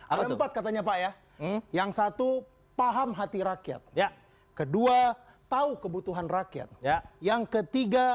ada empat katanya pak ya yang satu paham hati rakyat ya kedua tahu kebutuhan rakyat yang ketiga